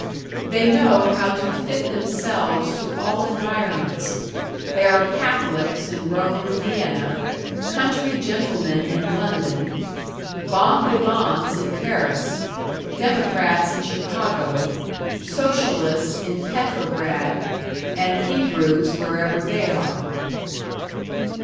They know how to fit themselves to all environments; they are Catholics in Rome and Vienna, country gentlemen in London, bons vivants in Paris, democrats in Chicago, Socialists in Petrograd, and Hebrews wherever they are.